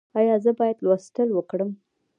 ایا زه باید لوستل وکړم؟